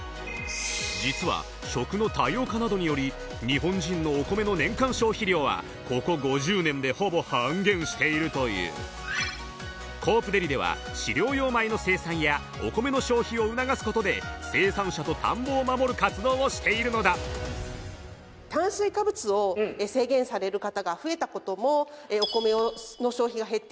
実は食の多様化などにより日本人のお米の年間消費量はここ５０年でほぼ半減しているというコープデリでは飼料用米の生産やお米の消費を促すことで生産者と田んぼを守る活動をしているのだそっかそうですよね